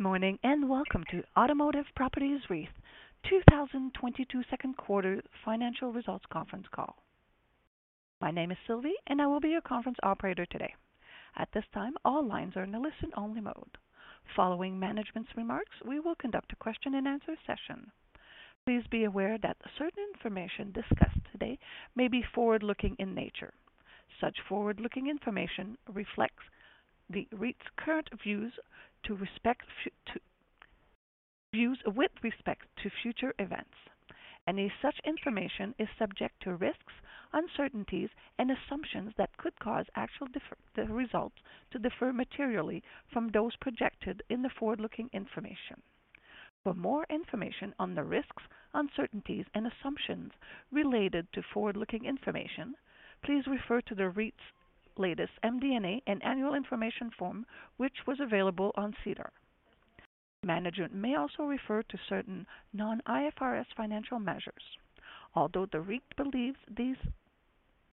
Good morning, and welcome to Automotive Properties REIT 2022 Q2 financial results conference call. My name is Sylvie, and I will be your conference operator today. At this time, all lines are in a listen-only mode. Following management's remarks, we will conduct a question-and-answer session. Please be aware that certain information discussed today may be forward-looking in nature. Such forward-looking information reflects the REIT's current views with respect to future events. Any such information is subject to risks, uncertainties, and assumptions that could cause actual results to differ materially from those projected in the forward-looking information. For more information on the risks, uncertainties, and assumptions related to forward-looking information, please refer to the REIT's latest MD&A and annual information form, which was available on SEDAR. Management may also refer to certain non-IFRS financial measures. Although the REIT believes these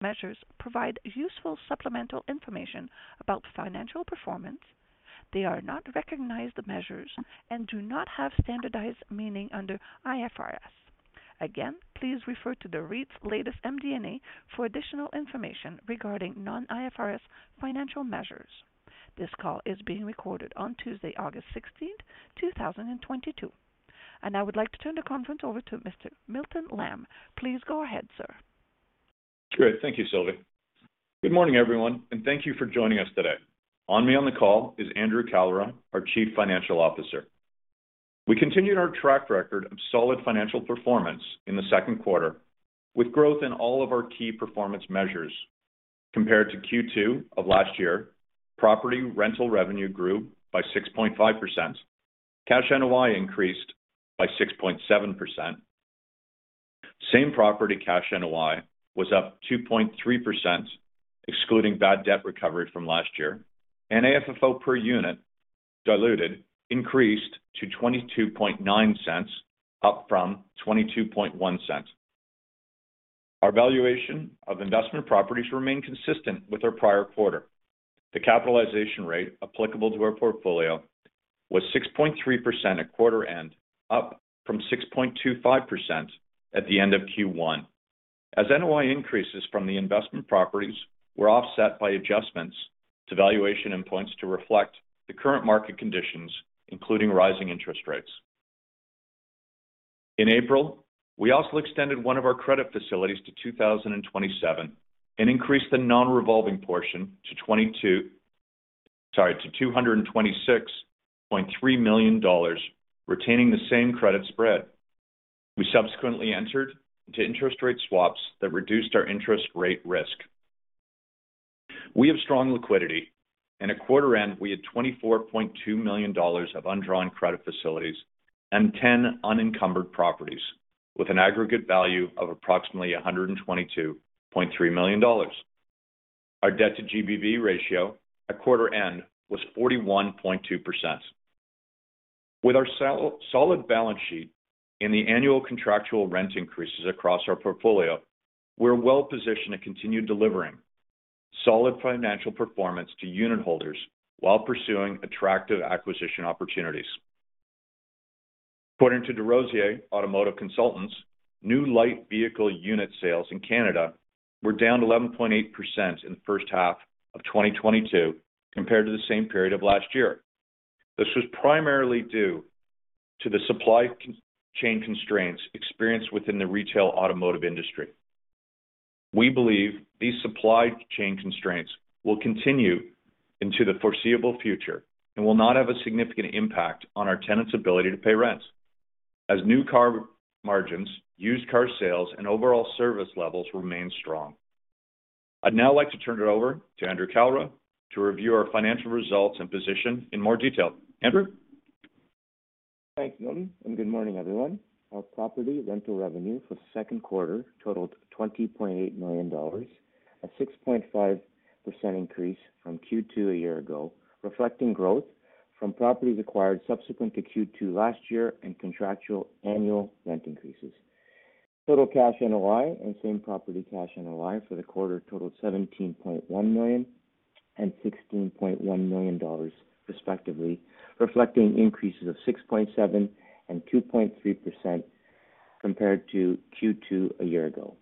measures provide useful supplemental information about financial performance, they are not recognized measures and do not have standardized meaning under IFRS. Again, please refer to the REIT's latest MD&A for additional information regarding non-IFRS financial measures. This call is being recorded on Tuesday, August 16, 2022. I would like to turn the conference over to Mr. Milton Lamb. Please go ahead, sir. Great. Thank you, Sylvie. Good morning, everyone, and thank you for joining us today. With me on the call is Andrew Kalra, our Chief Financial Officer. We continued our track record of solid financial performance in the Q2 with growth in all of our key performance measures. Compared to Q2 of last year, property rental revenue grew by 6.5%. Cash NOI increased by 6.7%. Same-Property Cash NOI was up 2.3%, excluding bad debt recovery from last year. AFFO per unit diluted increased to 22.9 cents, up from 22.1 cents. Our valuation of investment properties remained consistent with our prior quarter. The capitalization rate applicable to our portfolio was 6.3% at quarter end, up from 6.25% at the end of Q1, as NOI increases from the investment properties were offset by adjustments to valuation and points to reflect the current market conditions, including rising interest rates. In April, we also extended one of our credit facilities to 2027 and increased the non-revolving portion to 226.3 million dollars, retaining the same credit spread. We subsequently entered into interest rate swaps that reduced our interest rate risk. We have strong liquidity. At quarter end, we had 24.2 million dollars of undrawn credit facilities and 10 unencumbered properties with an aggregate value of approximately 122.3 million dollars. Our debt-to-GBV ratio at quarter end was 41.2%. With our solid balance sheet and the annual contractual rent increases across our portfolio, we're well positioned to continue delivering solid financial performance to unitholders while pursuing attractive acquisition opportunities. According to DesRosiers Automotive Consultants, new light vehicle unit sales in Canada were down 11.8% in the H1 of 2022 compared to the same period of last year. This was primarily due to the supply chain constraints experienced within the retail automotive industry. We believe these supply chain constraints will continue into the foreseeable future and will not have a significant impact on our tenants' ability to pay rents as new car margins, used car sales, and overall service levels remain strong. I'd now like to turn it over to Andrew Kalra to review our financial results and position in more detail. Andrew? Thanks, Milton, and good morning, everyone. Our property rental revenue for the Q2 totaled 20.8 million dollars, a 6.5% increase from Q2 a year ago, reflecting growth from properties acquired subsequent to Q2 last year in contractual annual rent increases. Total cash NOI and same-property cash NOI for the quarter totaled 17.1 million and 16.1 million dollars, respectively, reflecting increases of 6.7% and 2.3% compared to Q2 a year ago.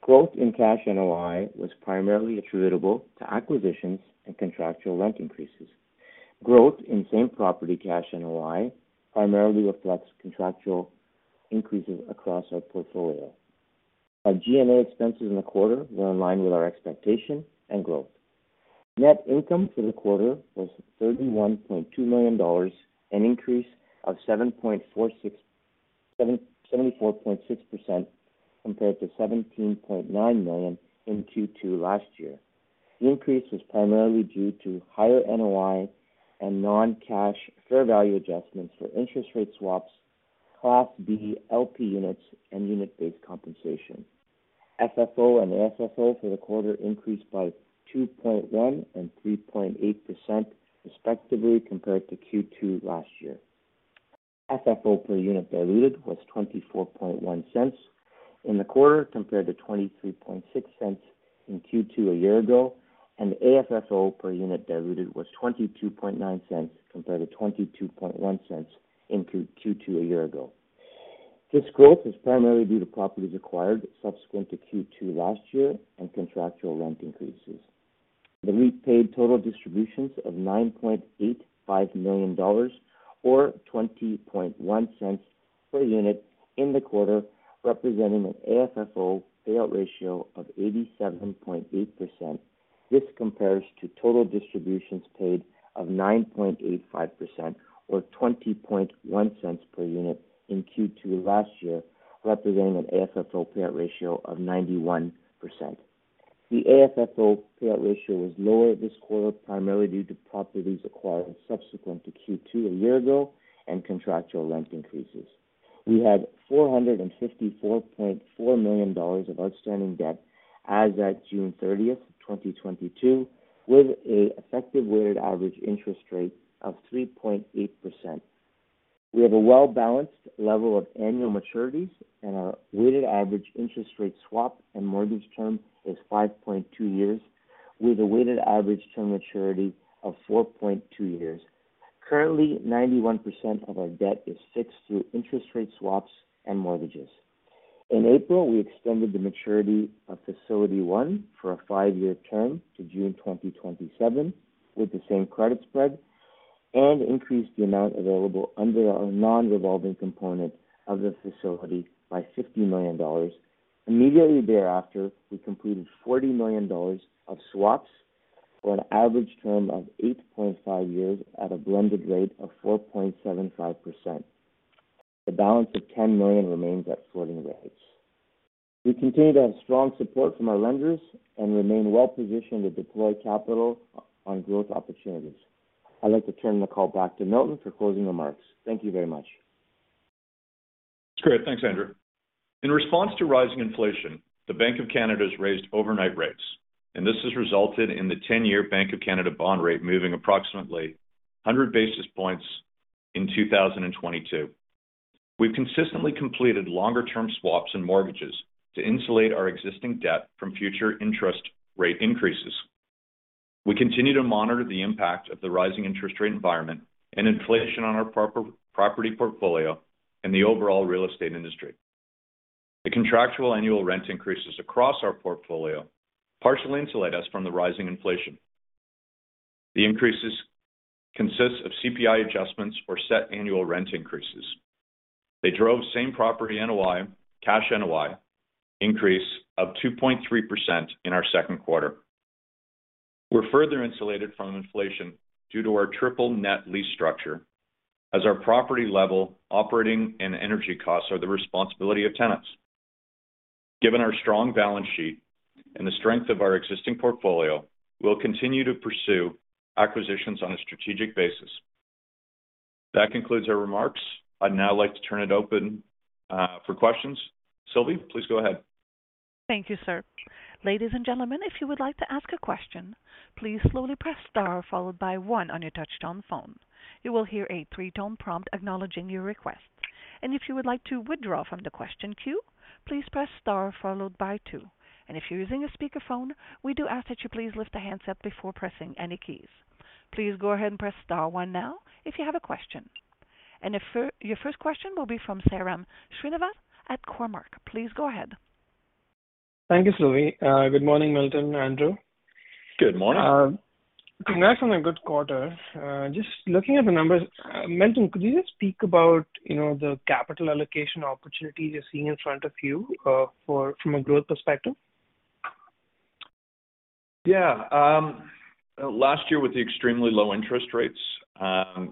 Growth in cash NOI was primarily attributable to acquisitions and contractual rent increases. Growth in same-property cash NOI primarily reflects contractual increases across our portfolio. Our G&A expenses in the quarter were in line with our expectation and growth. Net income for the quarter was 31.2 million dollars, an increase of 74.6% compared to 17.9 million in Q2 last year. The increase was primarily due to higher NOI and non-cash fair value adjustments for interest rate swaps, Class B LP units, and unit-based compensation. FFO and AFFO for the quarter increased by 2.1% and 3.8%, respectively, compared to Q2 last year. FFO per unit diluted was 0.241 in the quarter, compared to 0.236 in Q2 a year ago, and the AFFO per unit diluted was 0.229 compared to 0.221 in Q2 a year ago. This growth is primarily due to properties acquired subsequent to Q2 last year and contractual rent increases. The REIT paid total distributions of 9.85 million dollars or 0.201 per unit in the quarter, representing an AFFO payout ratio of 87.8%. This compares to total distributions paid of 9.85 million or 0.201 per unit in Q2 last year, representing an AFFO payout ratio of 91%. The AFFO payout ratio was lower this quarter, primarily due to properties acquired subsequent to Q2 a year ago and contractual rent increases. We had 454.4 million dollars of outstanding debt as at June 30, 2022, with an effective weighted average interest rate of 3.8%. We have a well-balanced level of annual maturities, and our weighted average interest rate swap and mortgage term is five years and two months, with a weighted average term maturity of four years and two months. Currently, 91% of our debt is fixed through interest rate swaps and mortgages. In April, we extended the maturity of facility one for a five-year term to June 2027, with the same credit spread, and increased the amount available under our non-revolving component of the facility by 50 million dollars. Immediately thereafter, we completed 40 million dollars of swaps for an average term of eight and a half years at a blended rate of 4.75%. The balance of 10 million remains at floating rates. We continue to have strong support from our lenders and remain well positioned to deploy capital on growth opportunities. I'd like to turn the call back to Milton for closing remarks. Thank you very much. That's great. Thanks, Andrew. In response to rising inflation, the Bank of Canada has raised overnight rates, and this has resulted in the ten-year Bank of Canada bond rate moving approximately 100 basis points in 2022. We've consistently completed longer term swaps and mortgages to insulate our existing debt from future interest rate increases. We continue to monitor the impact of the rising interest rate environment and inflation on our property portfolio and the overall real estate industry. The contractual annual rent increases across our portfolio partially insulate us from the rising inflation. The increases consists of CPI adjustments or set annual rent increases. They drove same-property NOI, Cash NOI increase of 2.3% in our Q2. We're further insulated from inflation due to our triple-net lease structure, as our property level operating and energy costs are the responsibility of tenants. Given our strong balance sheet and the strength of our existing portfolio, we'll continue to pursue acquisitions on a strategic basis. That concludes our remarks. I'd now like to turn it over for questions. Sylvie, please go ahead. Thank you, sir. Ladies and gentlemen, if you would like to ask a question, please slowly press star followed by one on your touchtone phone. You will hear a three-tone prompt acknowledging your request. If you would like to withdraw from the question queue, please press star followed by two. If you're using a speakerphone, we do ask that you please lift the handset before pressing any keys. Please go ahead and press star one now if you have a question. Your first question will be from Sairam Srinivas at Cormark. Please go ahead. Thank you, Sylvie. Good morning, Milton, Andrew. Good morning. Congrats on a good quarter. Just looking at the numbers, Milton, could you just speak about the capital allocation opportunities you're seeing in front of you, from a growth perspective? Yeah. Last year with the extremely low interest rates,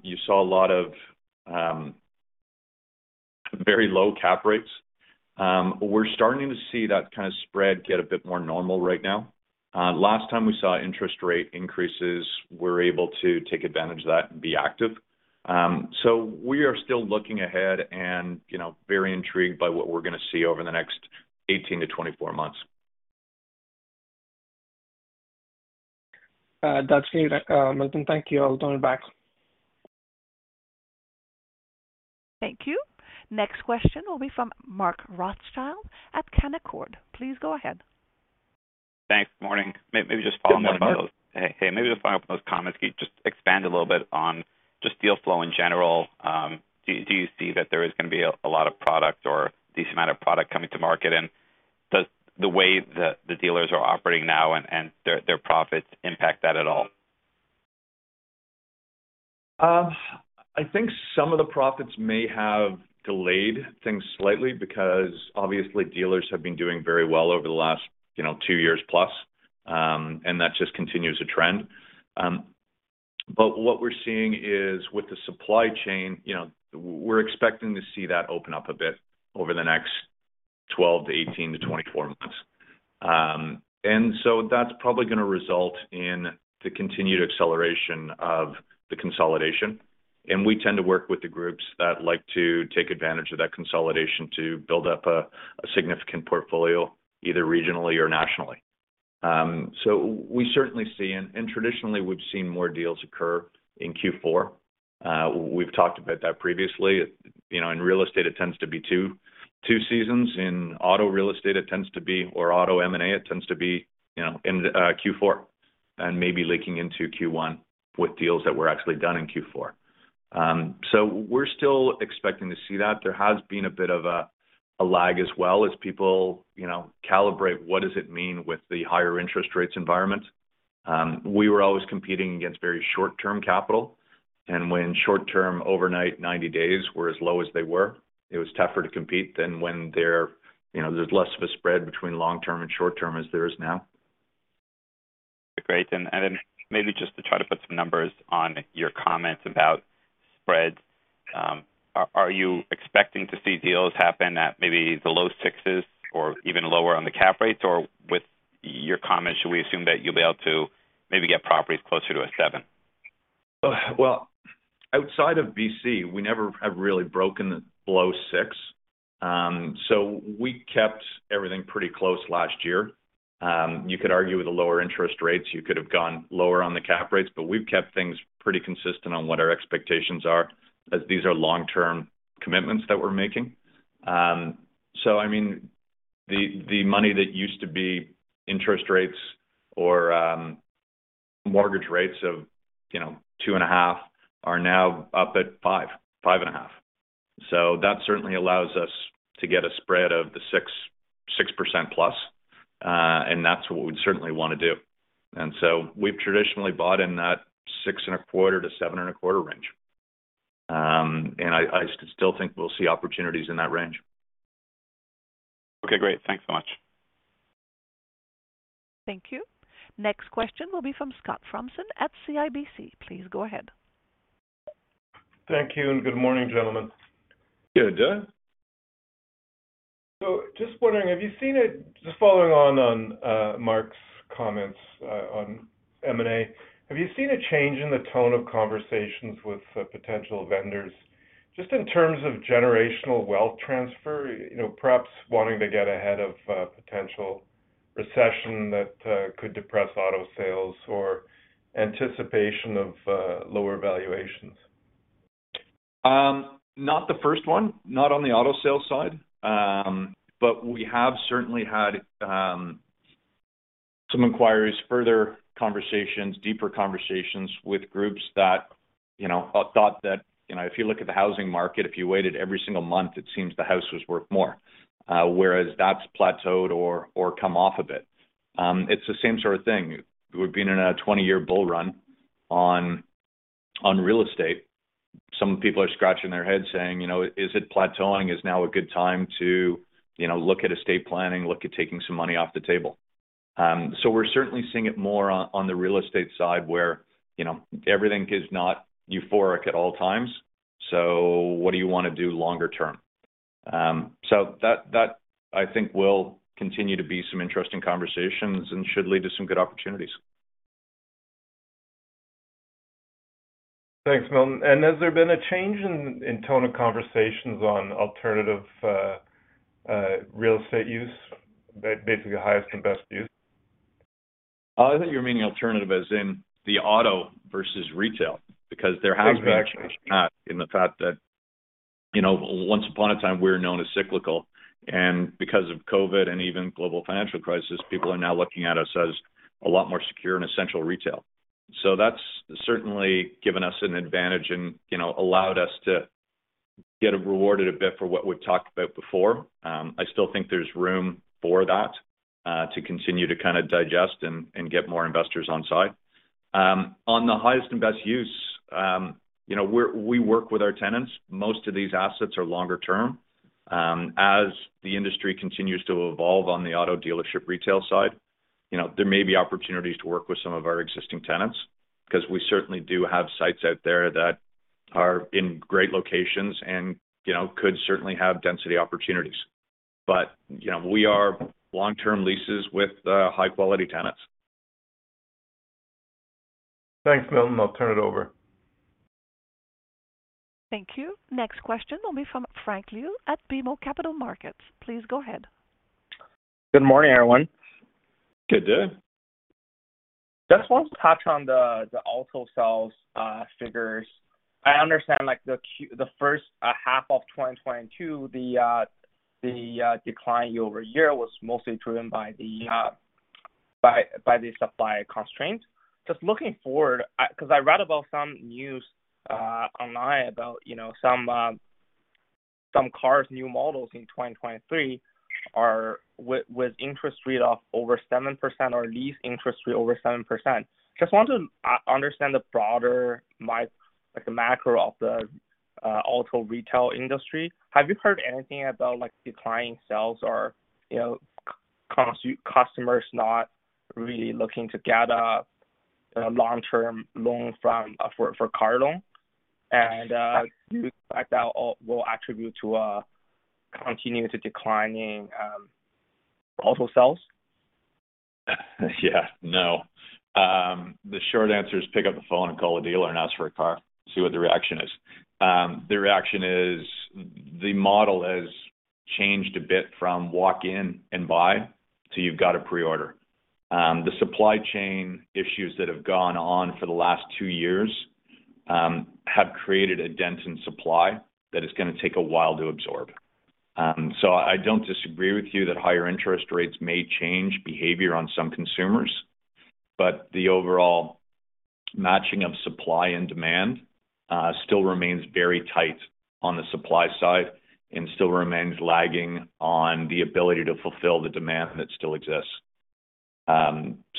you saw a lot of very low cap rates. We're starting to see that kind of spread get a bit more normal right now. Last time we saw interest rate increases, we're able to take advantage of that and be active. We are still looking ahead and very intrigued by what we're gonna see over the next 18-24 months. That's clear. Milton, thank you. I'll turn it back. Thank you. Next question will be from Mark Rothschild at Canaccord. Please go ahead. Thanks. Morning. Maybe just following up on those. Good morning, Mark. Hey. Maybe just following up on those comments. Can you just expand a little bit on just deal flow in general. Do you see that there is gonna be a lot of product or decent amount of product coming to market? Does the way the dealers are operating now and their profits impact that at all? I think some of the profits may have delayed things slightly because obviously dealers have been doing very well over the last two years plus. That just continues to trend. What we're seeing is with the supply chain we're expecting to see that open up a bit over the next 12 to 18 to 24 months. That's probably gonna result in the continued acceleration of the consolidation. We tend to work with the groups that like to take advantage of that consolidation to build up a significant portfolio, either regionally or nationally. We certainly see and traditionally we've seen more deals occur in Q4. We've talked about that previously. In real estate it tends to be two seasons. In auto real estate, or auto M&A, it tends to be in Q4 and maybe leaking into Q1 with deals that were actually done in Q4. We're still expecting to see that. There has been a bit of a lag as well as people calibrate what does it mean with the higher interest rates environment. We were always competing against very short-term capital and when short-term overnight 90 days were as low as they were, it was tougher to compete than when they're there's less of a spread between long-term and short-term as there is now. Great. Then maybe just to try to put some numbers on your comments about spreads, are you expecting to see deals happen at maybe the low 6s or even lower on the cap rates? Or with your comments, should we assume that you'll be able to maybe get properties closer to a 7? Well, outside of BC, we never have really broken below 6. We kept everything pretty close last year. You could argue with the lower interest rates, you could have gone lower on the cap rates, but we've kept things pretty consistent on what our expectations are as these are long-term commitments that we're making. I mean, the money that used to be interest rates or mortgage rates of 2.5 are now up at 5.5. That certainly allows us to get a spread of the 6% plus. That's what we'd certainly wanna do. We've traditionally bought in that 6.25-7.25 range. I still think we'll see opportunities in that range. Okay, great. Thanks so much. Thank you. Next question will be from Scott Fromson at CIBC. Please go ahead. Thank you and good morning, gentlemen. Good day. Just wondering, have you seen just following on Mark's comments on M&A, have you seen a change in the tone of conversations with potential vendors just in terms of generational wealth transfer perhaps wanting to get ahead of a potential recession that could depress auto sales or anticipation of lower valuations? Not the first one, not on the auto sales side. We have certainly had some inquiries, further conversations, deeper conversations with groups that thought that if you look at the housing market, if you waited every single month, it seems the house was worth more, whereas that's plateaued or come off a bit. It's the same sort of thing. We've been in a 20-year bull run on real estate. Some people are scratching their heads saying "Is it plateauing? Is now a good time to look at estate planning, look at taking some money off the table?" We're certainly seeing it more on the real estate side where everything is not euphoric at all times. What do you wanna do longer term? That I think will continue to be some interesting conversations and should lead to some good opportunities. Thanks, Milton. Has there been a change in tone of conversations on alternative real estate use, basically highest and best use? I think you mean alternative as in the auto versus retail, because there has been. Exactly in the fact that once upon a time we were known as cyclical, and because of COVID and even global financial crisis, people are now looking at us as a lot more secure and essential retail. That's certainly given us an advantage and allowed us to get rewarded a bit for what we've talked about before. I still think there's room for that to continue to kinda digest and get more investors on site. On the highest and best use we work with our tenants. Most of these assets are longer term. As the industry continues to evolve on the auto dealership retail side there may be opportunities to work with some of our existing tenants, 'cause we certainly do have sites out there that are in great locations and could certainly have density opportunities. We have long-term leases with high quality tenants. Thanks, Milton. I'll turn it over. Thank you. Next question will be from Frank Liu at BMO Capital Markets. Please go ahead. Good morning, everyone. Good day. Just want to touch on the auto sales figures. I understand like the H1 of 2022, the decline year-over-year was mostly driven by the supply constraints. Just looking forward, 'cause I read about some news online about some cars, new models in 2023 are with interest rate of over 7% or lease interest rate over 7%. Just want to understand the broader like the macro of the auto retail industry. Have you heard anything about like declining sales or customers not really looking to get a long-term loan for car loan? Do you expect that all will attribute to a continued declining auto sales? Yeah. No. The short answer is pick up the phone and call a dealer and ask for a car, see what the reaction is. The reaction is the model has changed a bit from walk in and buy to you've got to pre-order. The supply chain issues that have gone on for the last two years have created a dent in supply that is gonna take a while to absorb. I don't disagree with you that higher interest rates may change behavior on some consumers, but the overall matching of supply and demand still remains very tight on the supply side and still remains lagging on the ability to fulfill the demand that still exists.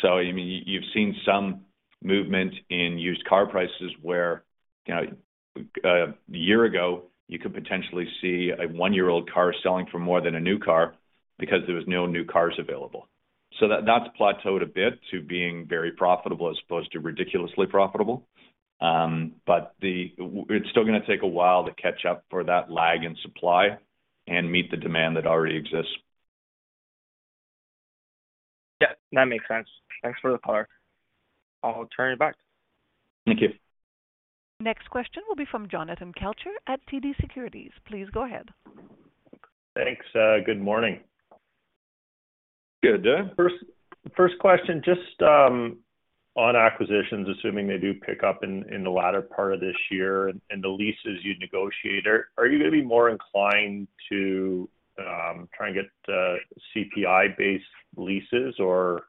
You've seen some movement in used car prices where a year ago, you could potentially see a one-year-old car selling for more than a new car because there was no new cars available. That's plateaued a bit to being very profitable as opposed to ridiculously profitable. It's still gonna take a while to catch up for that lag in supply and meet the demand that already exists. Yeah, that makes sense. Thanks for the color. I'll turn it back. Thank you. Next question will be from Jonathan Kelcher at TD Securities. Please go ahead. Thanks. Good morning. Good day. First question, just on acquisitions, assuming they do pick up in the latter part of this year and the leases you negotiate, are you going to be more inclined to try and get CPI-based leases, or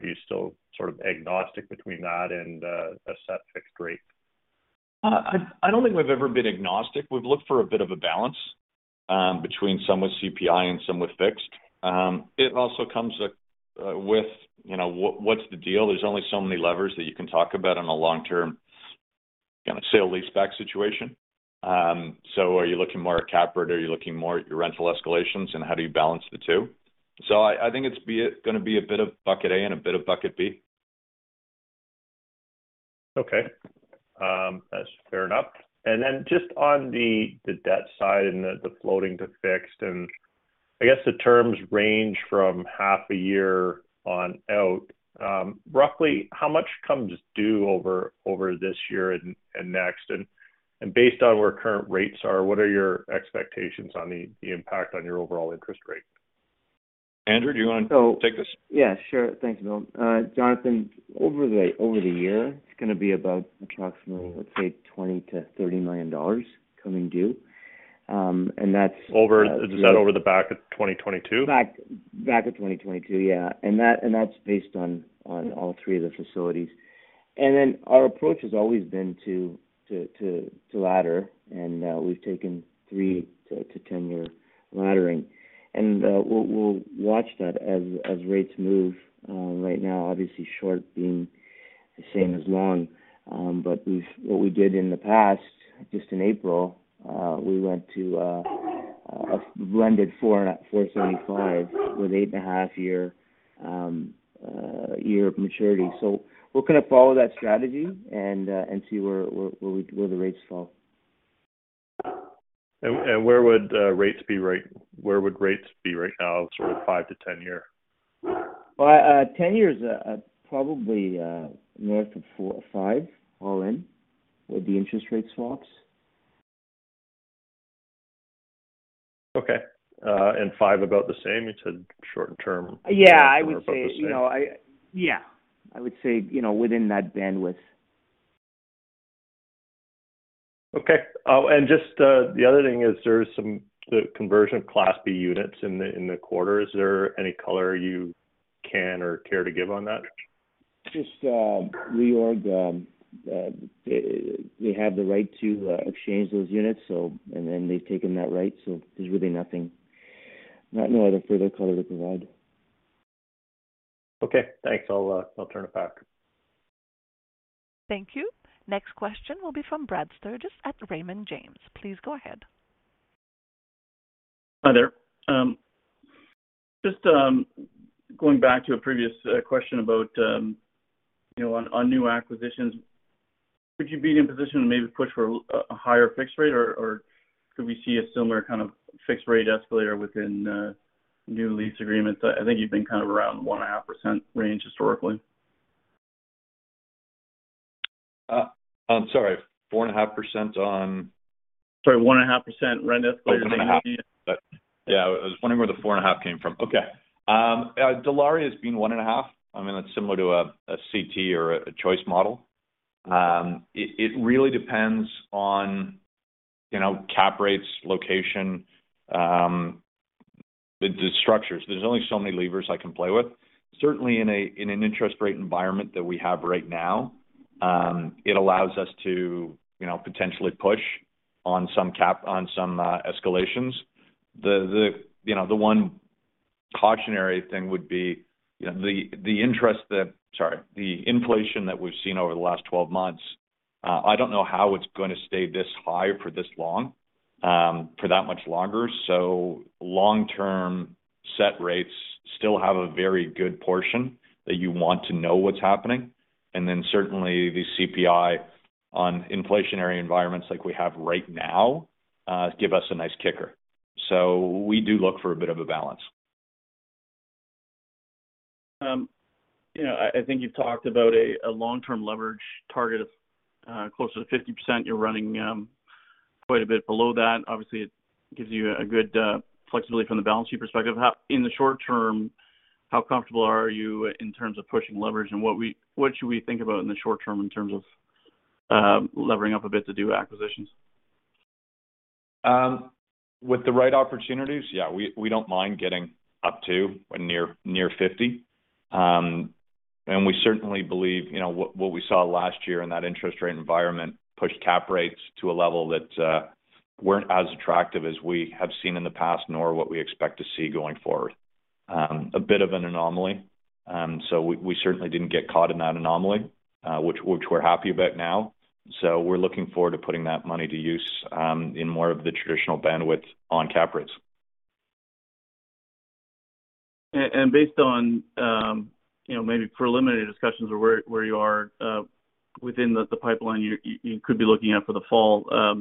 are you still sort of agnostic between that and a set fixed rate? I don't think we've ever been agnostic. We've looked for a bit of a balance between some with CPI and some with fixed. It also comes with what's the deal? There's only so many levers that you can talk about on a long-term, kinda, sale-leaseback situation. Are you looking more at cap rate, or are you looking more at your rental escalations, and how do you balance the two? I think it's gonna be a bit of bucket A and a bit of bucket B. That's fair enough. Just on the debt side and the floating to fixed, and I guess the terms range from half a year on out. Roughly how much comes due over this year and next? Based on where current rates are, what are your expectations on the impact on your overall interest rate? Andrew, do you want to take this? Yeah, sure. Thanks, Bill. Jonathan, over the year, it's gonna be about approximately, let's say, 20 million-30 million dollars coming due. And that's- Is that over the back half of 2022? Back half of 2022. That's based on all three of the facilities. Our approach has always been to ladder. We've taken three- to 10-year laddering. We'll watch that as rates move. Right now, obviously, short being the same as long. What we did in the past, just in April, we went to a blended 4.75% with eight and a half-year maturity. We're gonna follow that strategy and see where the rates fall. Where would rates be right now, sort of five-ten-year? Well, 10 years, probably, north of four or five all in with the interest rate swaps. Okay. Five, about the same? You said short-term. Yeah, I would say within that bandwidth. Okay. Just, the other thing is there's some, the conversion of Class B units in the quarter. Is there any color you can or care to give on that? Just reorg. They have the right to exchange those units, so and then they've taken that right. There's really nothing, not no other further color to provide. Okay, thanks. I'll turn it back. Thank you. Next question will be from Brad Sturges at Raymond James. Please go ahead. Hi there. Just going back to a previous question about on new acquisitions, could you be in a position to maybe push for a higher fixed rate, or could we see a similar kind of fixed rate escalator within new lease agreements? I think you've been kind of around 1.5% range historically. I'm sorry, 4.5% on? Sorry, 1.5% rent escalator. Oh, 1.5. Yeah. I was wondering where the 4.5 came from. Okay. Dilawri has been 1.5. I mean, that's similar to a CT or a Choice model. It really depends on cap rates, location, the structures. There's only so many levers I can play with. Certainly in an interest rate environment that we have right now, it allows us to potentially push on some escalations. The one cautionary thing would be the interest. Sorry. The inflation that we've seen over the last 12 months. I don't know how it's gonna stay this high for this long for that much longer. Long-term set rates still have a very good portion that you want to know what's happening. Certainly the CPI on inflationary environments like we have right now give us a nice kicker. We do look for a bit of a balance., I think you've talked about a long-term leverage target of closer to 50%. You're running quite a bit below that. Obviously, it gives you a good flexibility from the balance sheet perspective. In the short term, how comfortable are you in terms of pushing leverage, and what should we think about in the short term in terms of levering up a bit to do acquisitions? With the right opportunities, yeah, we don't mind getting up to or near 50. We certainly believe what we saw last year in that interest rate environment pushed cap rates to a level that weren't as attractive as we have seen in the past, nor what we expect to see going forward. A bit of an anomaly. We certainly didn't get caught in that anomaly, which we're happy about now. We're looking forward to putting that money to use in more of the traditional bandwidth on cap rates. Based on maybe preliminary discussions of where you are within the pipeline, you could be looking at for the fall,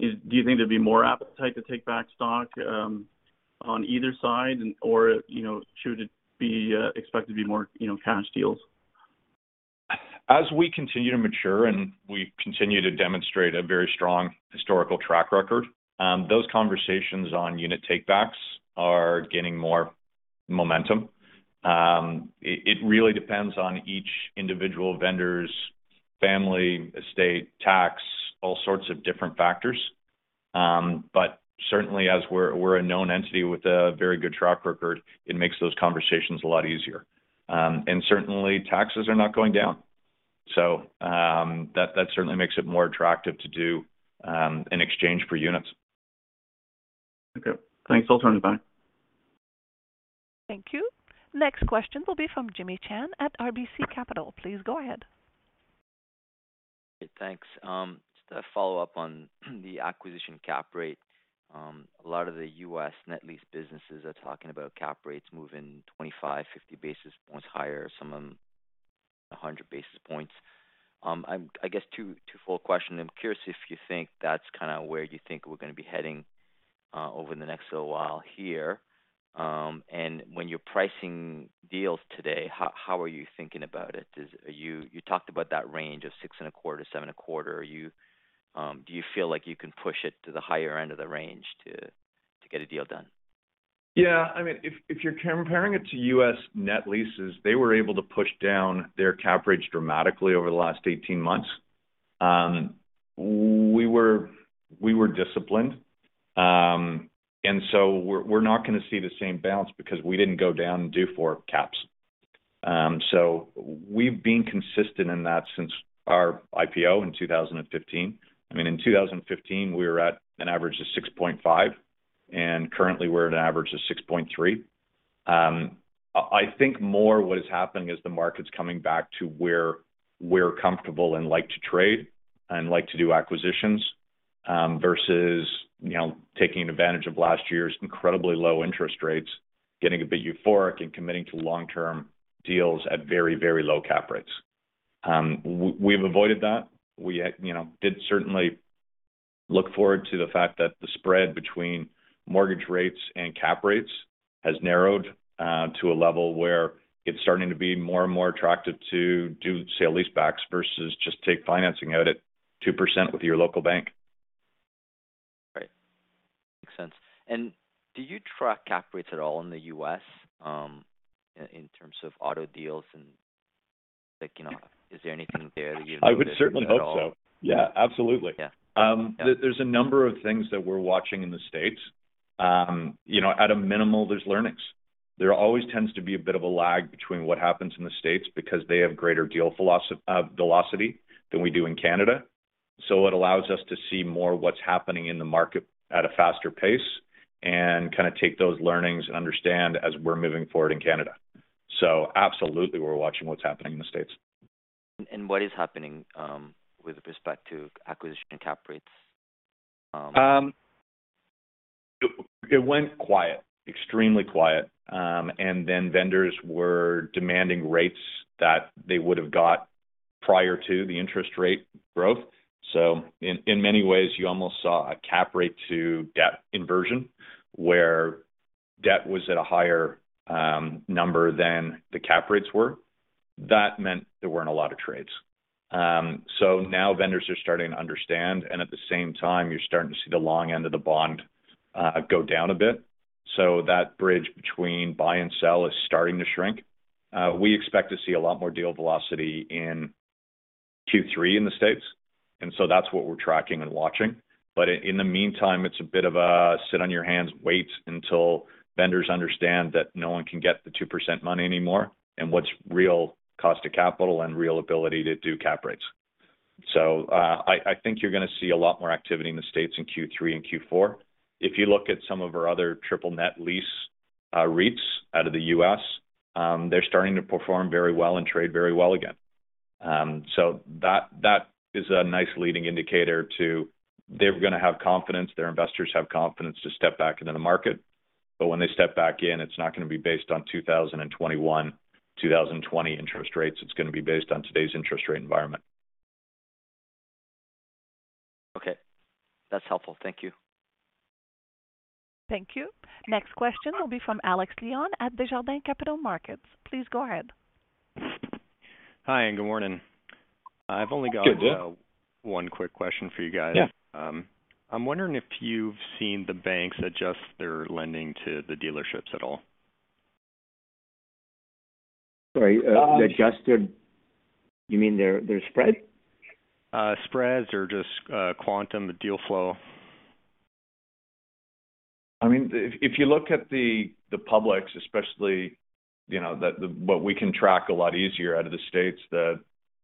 do you think there'd be more appetite to take back stock on either side or should it be expected to be more cash deals? As we continue to mature and we continue to demonstrate a very strong historical track record, those conversations on unit takebacks are gaining more momentum. It really depends on each individual vendor's family, estate, tax, all sorts of different factors. Certainly as we're a known entity with a very good track record, it makes those conversations a lot easier. Certainly taxes are not going down. That certainly makes it more attractive to do in exchange for units. Okay. Thanks. I'll turn the time. Thank you. Next question will be from Jimmy Shan at RBC Capital. Please go ahead. Thanks. Just a follow-up on the acquisition cap rate. A lot of the U.S. Net lease businesses are talking about cap rates moving 25, 50 basis points higher, some of them 100 basis points. I guess two full question. I'm curious if you think that's kinda where you think we're gonna be heading over the next little while here. And when you're pricing deals today, how are you thinking about it? You talked about that range of 6.25, 7.25. Are you do you feel like you can push it to the higher end of the range to get a deal done? Yeah. I mean, if you're comparing it to U.S. net leases, they were able to push down their cap rates dramatically over the last 18 months. We were disciplined. We're not gonna see the same bounce because we didn't go down and do 4 caps. We've been consistent in that since our IPO in 2015. I mean, in 2015, we were at an average of 6.5, and currently we're at an average of 6.3. I think more what is happening is the market's coming back to where we're comfortable and like to trade and like to do acquisitions, versus taking advantage of last year's incredibly low interest rates, getting a bit euphoric and committing to long-term deals at very, very low cap rates. We've avoided that. We did certainly look forward to the fact that the spread between mortgage rates and cap rates has narrowed to a level where it's starting to be more and more attractive to do sale-leasebacks versus just take financing out at 2% with your local bank. Right. Makes sense. Do you track cap rates at all in the U.S., in terms of auto deals and like is there anything there that you look at it all? I would certainly hope so. Yeah, absolutely. Yeah. There's a number of things that we're watching in the States. At a minimum, there's learnings. There always tends to be a bit of a lag between what happens in the States because they have greater deal velocity than we do in Canada. It allows us to see more what's happening in the market at a faster pace and kinda take those learnings and understand as we're moving forward in Canada. Absolutely, we're watching what's happening in the States. What is happening with respect to acquisition cap rates? It went quiet, extremely quiet. Then vendors were demanding rates that they would have got prior to the interest rate growth. In many ways, you almost saw a cap rate to debt inversion, where debt was at a higher number than the cap rates were. That meant there weren't a lot of trades. Now vendors are starting to understand, and at the same time you're starting to see the long end of the bond go down a bit. That bridge between buy and sell is starting to shrink. We expect to see a lot more deal velocity in Q3 in the States, and that's what we're tracking and watching. In the meantime, it's a bit of a sit on your hands, wait until vendors understand that no one can get the 2% money anymore and what's real cost of capital and real ability to do cap rates. I think you're gonna see a lot more activity in the States in Q3 and Q4. If you look at some of our other Triple Net Lease REITs out of the U.S., they're starting to perform very well and trade very well again. So that is a nice leading indicator that they're gonna have confidence, their investors have confidence to step back into the market. When they step back in, it's not gonna be based on 2021, 2020 interest rates, it's gonna be based on today's interest rate environment. That's helpful. Thank you. Thank you. Next question will be from Alex Leon at Desjardins Capital Markets. Please go ahead. Hi and good morning. Good day. I've only got one quick question for you guys. Yeah. I'm wondering if you've seen the banks adjust their lending to the dealerships at all? Sorry, you mean their spread? Spreads or just quantum, the deal flow. I mean if you look at the publics especially what we can track a lot easier out of the states, the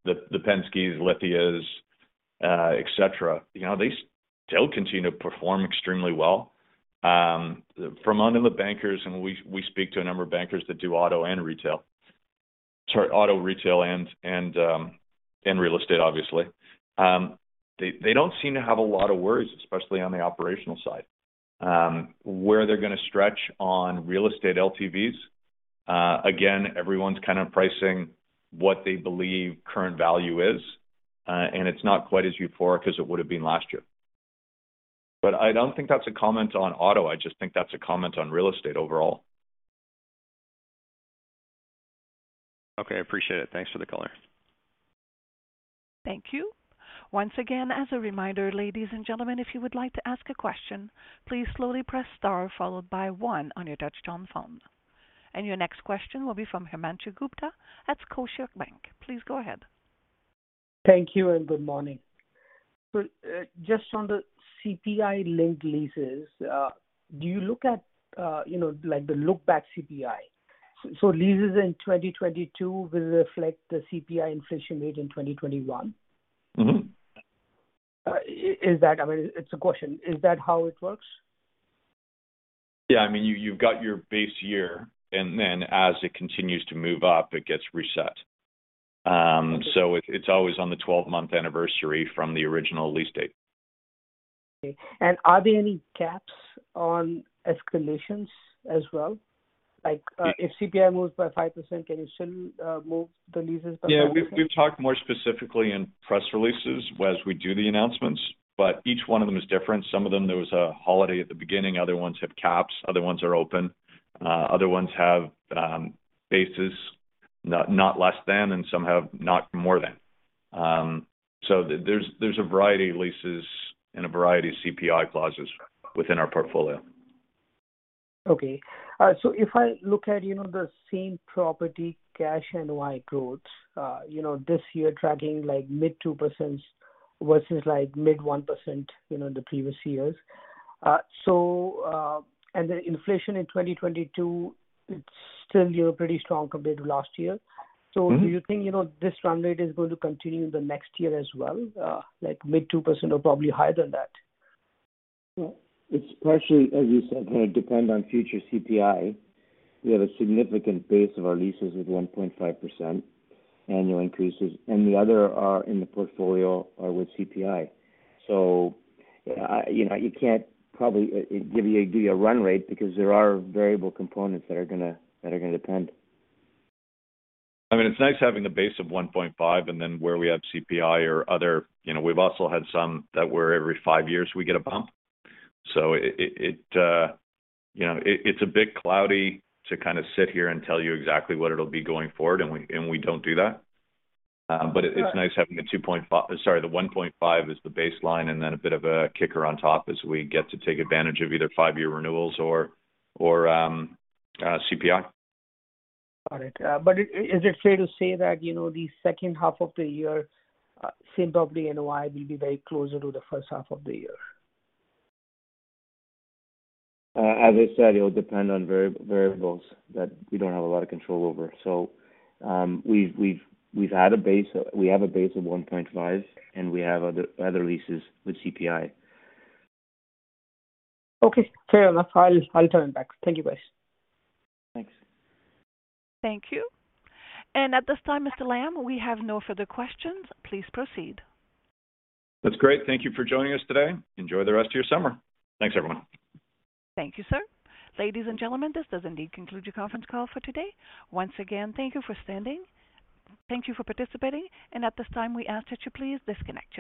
Penskes, Lithias, et cetera they still continue to perform extremely well. Among the bankers, and we speak to a number of bankers that do auto retail and real estate, obviously. They don't seem to have a lot of worries, especially on the operational side. Where they're gonna stretch on real estate LTVs, again, everyone's kinda pricing what they believe current value is, and it's not quite as euphoric as it would have been last year. I don't think that's a comment on auto I just think that's a comment on real estate overall. Okay I appreciate it. Thanks for the color. Thank you. Once again as a reminder ladies and gentlemen if you would like to ask a question, please slowly press star followed by one on your touchtone phone. Your next question will be from Himanshu Gupta at Scotiabank. Please go ahead. Thank you and good morning. Just on the CPI-linked leases, do you look at like, the look-back CPI? Leases in 2022 will reflect the CPI inflation rate in 2021. Mm-hmm. I mean it's a question. Is that how it works? Yeah. I mean you've got your base year and then as it continues to move up, it gets reset. It's always on the 12-month anniversary from the original lease date. Okay. Are there any caps on escalations as well? Like if CPI moves by 5% can you still move the leases by 5%? Yeah. We've talked more specifically in press releases as we do the announcements, but each one of them is different. Some of them there was a holiday at the beginning other ones have caps, other ones are open. Other ones have bases not less than and some have not more than. So there's a variety of leases and a variety of CPI clauses within our portfolio. Okay. If I look at the same-property Cash NOI growth this year tracking, like, mid-2% versus, like, mid-1% the previous years. The inflation in 2022 it's still pretty strong compared to last year. Mm-hmm. Do you think this run rate is going to continue the next year as well? Like mid 2% or probably higher than that? Well, it's partially as you said gonna depend on future CPI. We have a significant base of our leases with 1.5% annual increases and the other are in the portfolio or with CPI. You probably can't give you a run rate because there are variable components that are gonna depend. I mean, it's nice having the base of 1.5 and then where we have CPI or other. We've also had some that, where every five years we get a bump. it it's a bit cloudy to kinda sit here and tell you exactly what it'll be going forward and we don't do that. Right. It's nice having the 1.5 as the baseline and then a bit of a kicker on top as we get to take advantage of either five-year renewals or CPI. Got it. Is it fair to say that the H2 of the year same-property NOI will be very close to the H1 of the year? As I said, it'll depend on variables that we don't have a lot of control over. We have a base of 1.5, and we have other leases with CPI. Okay fair enough. I'll turn it back. Thank you, guys. Thanks. Thank you. At this time, Mr. Lamb we have no further questions. Please proceed. That's great. Thank you for joining us today. Enjoy the rest of your summer. Thanks, everyone. Thank you, sir. Ladies and gentlemen this does indeed conclude your conference call for today. Once again, thank you for standing. Thank you for participating. At this time, we ask that you please disconnect your lines.